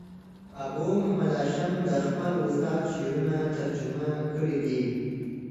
ابو محمد هاشم دخپل استاد شعرونه ترجمه کړي دي.